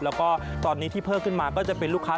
แล้วก็ตอนนี้ที่เพิ่มขึ้นมาก็จะเป็นลูกค้า